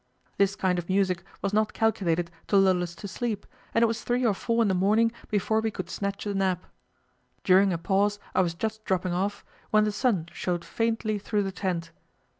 This kind of music was not calculated to lull us to sleep, and it was three or four in the morning before we could snatch a nap. During a pause I was just dropping off, when the sun showed faintly through the tent.